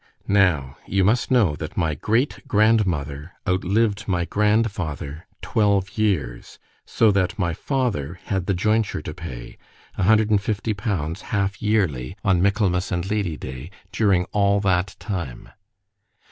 —Now, you must know, that my great grandmother outlived my grandfather twelve years; so that my father had the jointure to pay, a hundred and fifty pounds half yearly—(on Michaelmas and Lady day,)—during all that time.